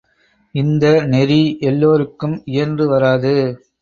இந்த நெறி எல்லோருக்கும் இயன்று வராது.